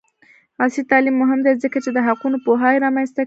عصري تعلیم مهم دی ځکه چې د حقونو پوهاوی رامنځته کوي.